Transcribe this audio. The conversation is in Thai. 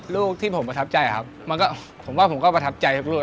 ลูกที่ผมประทับใจครับมันก็ผมว่าผมก็ประทับใจครับลูก